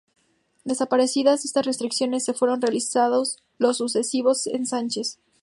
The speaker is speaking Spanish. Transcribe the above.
Desaparecidas estas restricciones, se fueron realizando los sucesivos Ensanches.